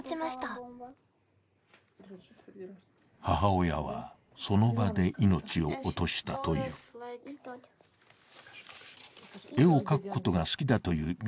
母親は、その場で命を落としたという。